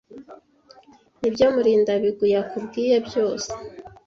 Nibyo Murindabigwi yakubwiye byose?